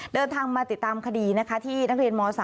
เดินทางมาติดตามคดีนะคะที่นักเรียนม๓